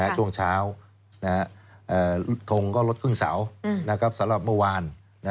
ช่วงเช้าทงก็ลดครึ่งเสาสำหรับเมื่อวาน